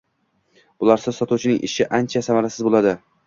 Bularsiz sotuvchining ishi ancha samarasiz boʻladi.